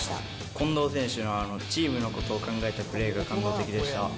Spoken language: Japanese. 近藤選手のあのチームのことを考えたプレーが感動的でした。